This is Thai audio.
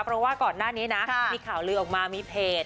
เพราะว่าก่อนหน้านี้นะมีข่าวลือออกมามีเพจ